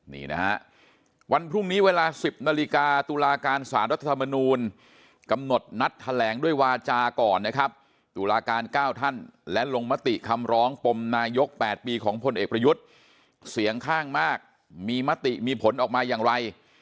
นี่นะฮะวันพรุ่งนี้เวลา๑๐นาฬิกาตุลาการสารรัฐธรรมนูลกำหนดนัดแถลงด้วยวาจาก่อนนะครับตุลาการ๙ท่านและลงมติคำร้องปมนายก๘ปีของพลเอกประยุทธ์เสียงข้างมากมีมติมีผลออกมาอย่างไร